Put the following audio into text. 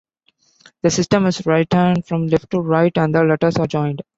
The system is written from left to right and the letters are joined.